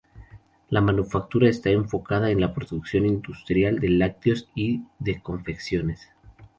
La manufactura está enfocada en la producción industrial de lácteos y de confecciones.